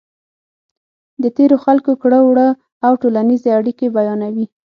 د تېرو خلکو کړو وړه او ټولنیزې اړیکې بیانوي.